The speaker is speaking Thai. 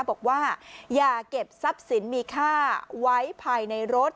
บอกว่าอย่าเก็บทรัพย์สินมีค่าไว้ภายในรถ